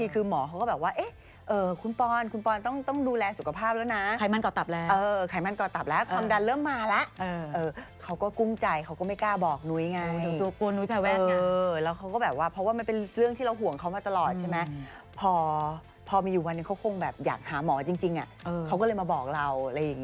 อ๋อคุณผู้ชมเขานำเสนอโจทย์เข้ามา